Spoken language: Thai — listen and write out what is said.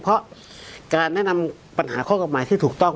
เพราะการแนะนำปัญหาข้อกฎหมายที่ถูกต้อง